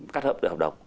cắt hợp được hợp đồng